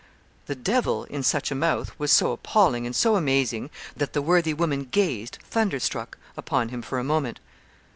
'The devil,' in such a mouth, was so appalling and so amazing, that the worthy woman gazed, thunder struck, upon him for a moment.